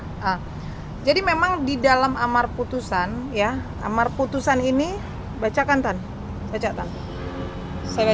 itu tadi ya jadi memang di dalam amar putusan ya amar putusan ini bacakan tan pecahkan saya